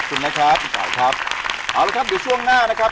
เอาละครับเดี๋ยวช่วงหน้านะครับ